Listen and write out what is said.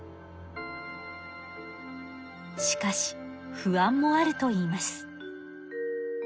しかし不安もあるといいます。